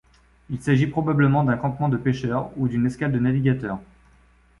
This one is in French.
Il s'agit probablement d'un campement de pêcheurs ou d'une escale de navigateurs.